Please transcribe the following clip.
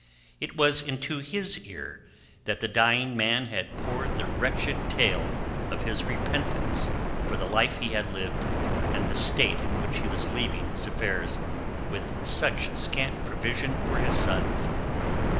It was into his ear that the dying man had poured the wretched tale of his repentance for the life he had lived and the state in which he was leaving his affairs with such scant provision for his sons.